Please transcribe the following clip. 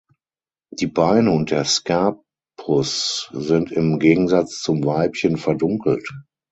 Die Beine und der Scapus sind im Gegensatz zum Weibchen verdunkelt.